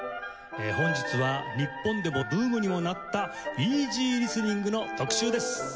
本日は日本でもブームにもなったイージーリスニングの特集です。